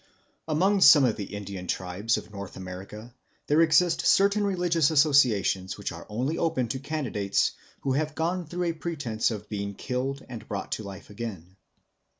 Among some of the Indian tribes of North America there exist certain religious associations which are only open to candidates who have gone through a pretence of being killed and brought to life again.